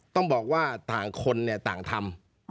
ต้องบอกว่าต่างคนเนี่ยต่างทำ